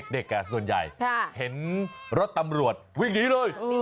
ส่วนใหญ่เห็นรถตำรวจวิ่งหนีเลย